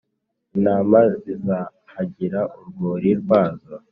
Intama zizahagira urwuri rwazo,